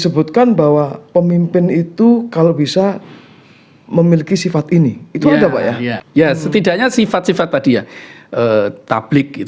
boleh k dispara lagi